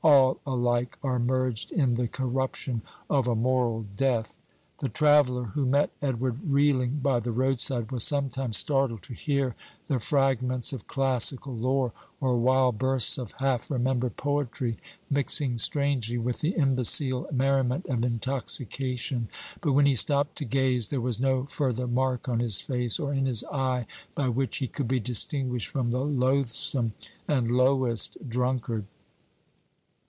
All alike are merged in the corruption of a moral death. The traveller, who met Edward reeling by the roadside, was sometimes startled to hear the fragments of classical lore, or wild bursts of half remembered poetry, mixing strangely with the imbecile merriment of intoxication. But when he stopped to gaze, there was no further mark on his face or in his eye by which he could be distinguished from the loathsome and lowest drunkard.